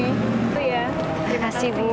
terima kasih bu